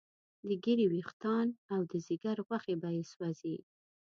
د ږیرې ویښتان او د ځیګر غوښې به یې سوځي.